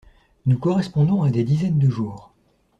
Nous correspondons à des dizaines de jours.